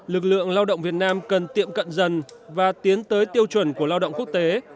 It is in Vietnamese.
lực lượng lao động việt nam cần tiệm cận dần và tiến tới tiêu chuẩn của lao động quốc tế